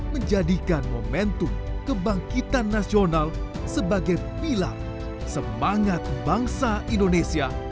menjadikan momentum kebangkitan nasional sebagai pilar semangat bangsa indonesia